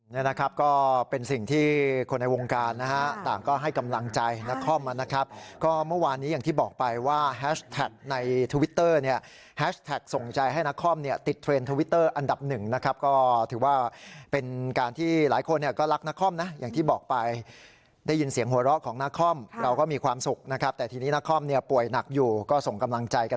นี่นะครับก็เป็นสิ่งที่คนในวงการนะฮะต่างก็ให้กำลังใจนักคอมนะครับก็เมื่อวานนี้อย่างที่บอกไปว่าแฮชแท็กในทวิตเตอร์เนี่ยแฮชแท็กส่งใจให้นักคอมเนี่ยติดเทรนด์ทวิตเตอร์อันดับหนึ่งนะครับก็ถือว่าเป็นการที่หลายคนเนี่ยก็รักนักคอมนะอย่างที่บอกไปได้ยินเสียงหัวเราะของนักคอมเราก็